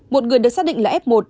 một người được xác định là f một